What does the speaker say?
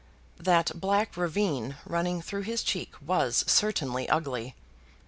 That black ravine running through his cheek was certainly ugly.